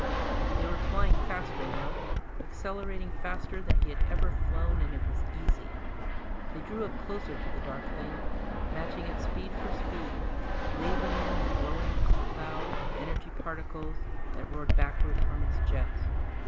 They were flying faster now, accelerating faster than he had ever flown, and it was easy. They drew up closer to the dark thing, matching it speed for speed, laving in the glowing cloud of energy particles that roared backward from its jets.